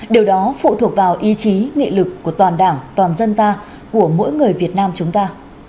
điều đó phụ thuộc vào ý chí nghị lực của toàn đảng toàn dân ta của mỗi người việt nam chúng ta